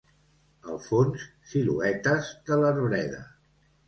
Al fons, siluetes de l'arbreda.